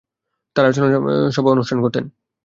তারা আলোচনা সভা অনুষ্ঠান করতেন।